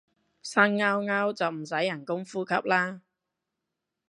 生勾勾就唔使人工呼吸啦